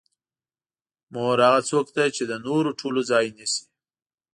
مور هغه څوک ده چې د نورو ټولو ځای نیسي.